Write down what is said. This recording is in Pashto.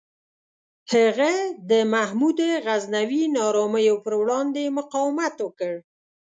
هغه د محمود غزنوي نارامیو پر وړاندې مقاومت وکړ.